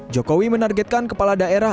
jokowi menargetkan kepala daerah